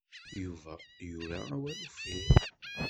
Yuba yura awal uffir.